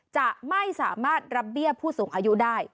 จะไม่สามารถรับเบี้ยผู้สูงอายุได้